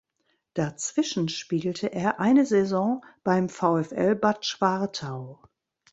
Dazwischen spielte er eine Saison beim VfL Bad Schwartau.